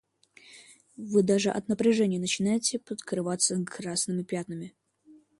Вы даже от напряжения начинаете покрываться красными пятнами.